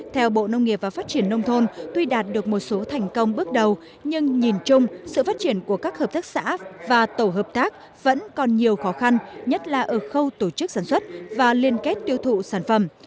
theo bộ nông nghiệp và phát triển nông thôn tuy đạt được một số thành công bước đầu nhưng nhìn chung sự phát triển của các hợp tác xã và tổ hợp tác vẫn còn nhiều khó khăn nhất là ở khâu tổ chức sản xuất và liên kết tiêu thụ sản phẩm